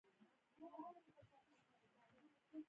د ځمکې پر سر